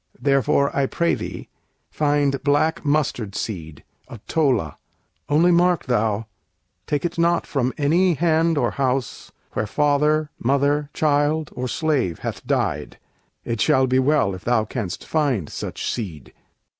Therefore, I pray thee, find Black mustard seed, a tola; only mark Thou take it not from any hand or house Where father, mother, child, or slave hath died; It shall be well if thou canst find such seed.'